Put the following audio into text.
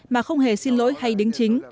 mà không hề xin lỗi hay đính chính